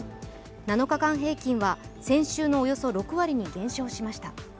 ７日間平均は先週のおよそ６割に減少しました。